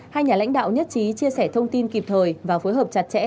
hai nhà lãnh đạo nhất trí chia sẻ thông tin kịp thời và phối hợp chặt chẽ